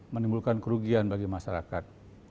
menimbulkan kerugian bagi masyarakat